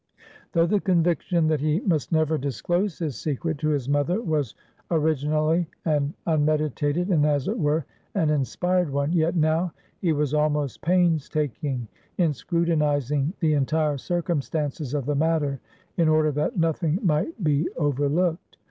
Though the conviction that he must never disclose his secret to his mother was originally an unmeditated, and as it were, an inspired one; yet now he was almost pains taking in scrutinizing the entire circumstances of the matter, in order that nothing might be overlooked.